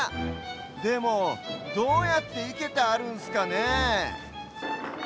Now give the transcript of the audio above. でもどうやっていけてあるんすかねえ？